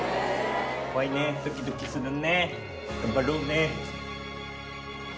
怖いねドキドキするね頑張ろうね。